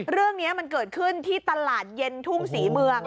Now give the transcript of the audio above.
เรื่องนี้มันเกิดขึ้นที่ตลาดเย็นทุ่งศรีเมือง